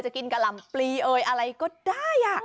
เจอกินกะลำปลี้ที่อะไรก็ได้